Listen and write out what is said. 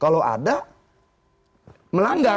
kalau ada melanggar